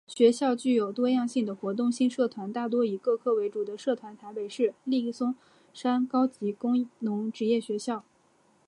学校具有多样性的活动性社团大多以各科为主的社团台北市立松山高级工农职业学校